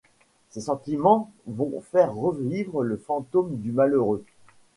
Ses sentiments vont faire revivre le fantôme du malheureux.